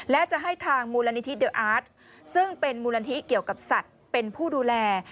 และจะให้ทางมูลนิธิเดลอาร์ตซึ่งเป็นมูลนิธิเกี่ยวกับสัตว์เป็นผู้ดูแล